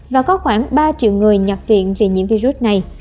và có khoảng ba triệu người nhập viện vì nhiễm virus này